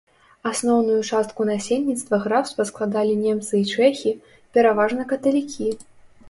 Асноўную частку насельніцтва графства складалі немцы і чэхі, пераважна каталікі.